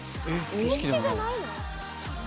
景色じゃないの？